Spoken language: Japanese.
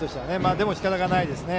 でも、しかたがないですね。